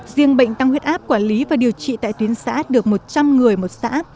riêng bệnh tăng huyết áp quản lý và điều trị tại tuyến xã được một trăm linh người một xã